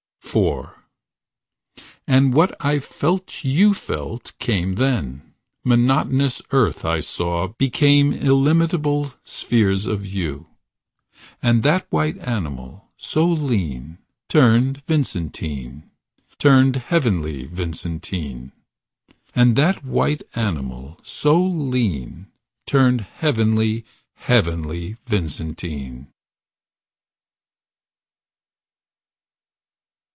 IV And what I knew you felt Came then. Monotonous earth I saw become Illimitable spheres of you. And that white animal, so lean. Turned Vincentine, Turned heavenly Vincentine. And that white animal, so lean. Turned heavenly, heavenly Vincentine.